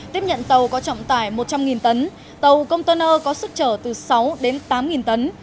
tiếp nhận tàu có trọng tải một trăm linh tấn tàu container có sức trở từ sáu đến tám tấn